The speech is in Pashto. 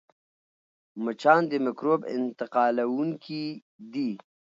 مچان د مکروب انتقالوونکي دي